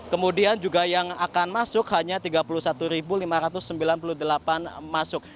kemudian juga yang akan masuk hanya tiga puluh satu lima ratus sembilan puluh delapan masuk